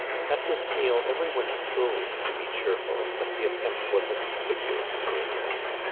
At this meal every one strove to be cheerful, but the attempt was a con spicuous failure.